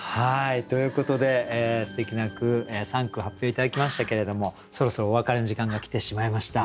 ということですてきな句３句発表頂きましたけれどもそろそろお別れの時間が来てしまいました。